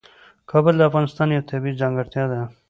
کابل د افغانستان یوه طبیعي ځانګړتیا ده.